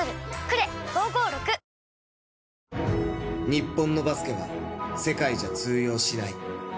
日本のバスケは世界じゃ通用しない。